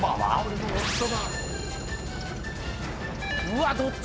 うわっ！